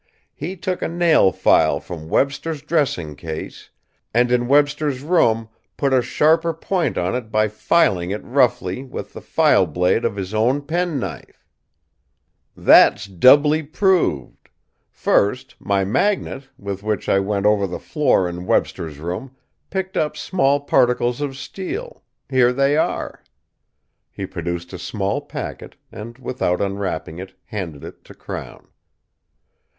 He took a nail file from Webster's dressing case, and in Webster's room put a sharper point on it by filing it roughly with the file blade of his own pen knife. "That's doubly proved: first, my magnet, with which I went over the floor in Webster's room, picked up small particles of steel. Here they are." He produced a small packet and, without unwrapping it, handed it to Crown.